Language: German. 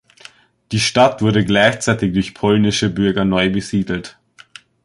Die Stadt wurde gleichzeitig durch polnische Bürger neu besiedelt.